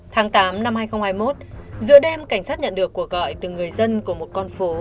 tháng tám năm hai nghìn hai mươi một giữa đêm cảnh sát nhận được cuộc gọi từ người dân của một con phố